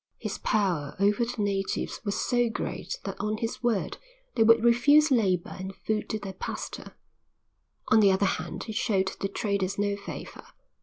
His power over the natives was so great that on his word they would refuse labour and food to their pastor. On the other hand he showed the traders no favour.